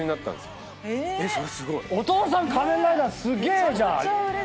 お父さん仮面ライダーすげえじゃん！